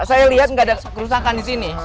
saya lihat gak ada kerusakan disini